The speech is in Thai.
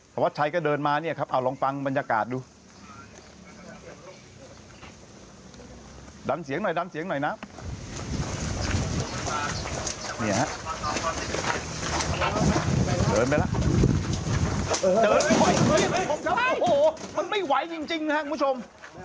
ธวัดชัยก็เดินมาเนี่ยครับเอาลองฟังบรรยากาศดูดันเสียงหน่อยดันเสียงหน่อยนะเนี่ยฮะเดินไปแล้วเดินไปแล้วโอ้โหมันไม่ไหวจริงนะครับคุณผู้ชม